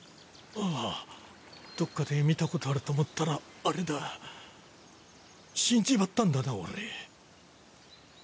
あぁどっかで見たことあると思ったらあれだ死んじまったんだな俺。